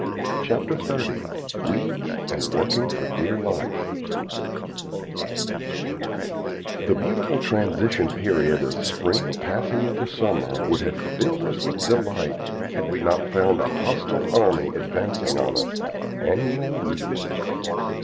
CHAPTER XXX WEEDS AND WORKING FOR DEAR LIFE The beautiful transition period of spring passing into summer would have filled us with delight had we not found a hostile army advancing on us annual weeds.